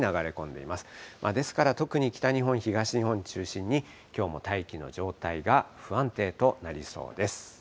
ですから、特に北日本、東日本を中心に、きょうも大気の状態が不安定となりそうです。